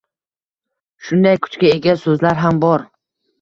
Shunday kuchga ega so’zlar ham bor.